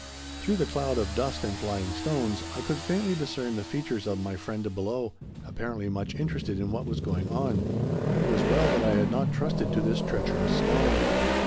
Through the cloud of dust and flying stones I could faintly discern the features of my friend below, apparently much interested in what was going on. It was well that I had not trusted to this treacherous stone.